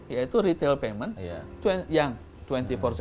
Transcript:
yaitu retail payment yang dua puluh empat